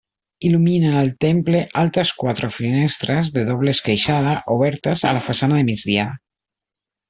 Il·luminen el temple altres quatre finestres de doble esqueixada obertes a la façana de migdia.